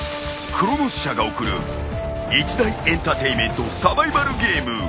［クロノス社が送る一大エンターテインメントサバイバルゲーム］